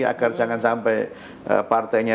agar jangan sampai partainya